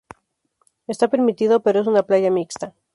Está permitido, pero es una playa mixta.